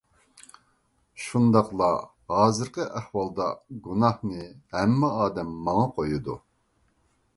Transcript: شۇنداقلا ھازىرقى ئەھۋالدا گۇناھنى ھەممە ئادەم ماڭا قويىدۇ.